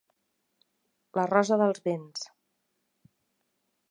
La Rosa dels Vents.